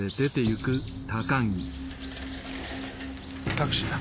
タクシーだ。